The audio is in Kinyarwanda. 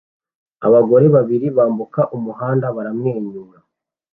Abagore babiri bambuka umuhanda baramwenyura